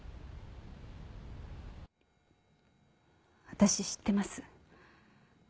私知ってます。